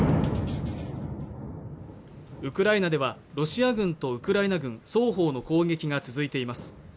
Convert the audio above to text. ウクライナではロシア軍とウクライナ軍双方の攻撃が続いています